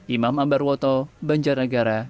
imam ambar woto banjarnegara